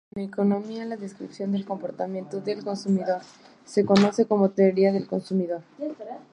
En economía la descripción del comportamiento del consumidor se conoce como teoría del consumidor.